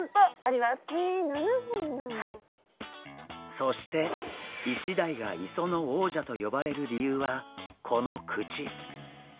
そしてイシダイが磯の王者と呼ばれる理由はこの口！